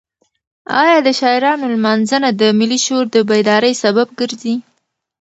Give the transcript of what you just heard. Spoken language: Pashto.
ایا د شاعرانو لمانځنه د ملي شعور د بیدارۍ سبب ګرځي؟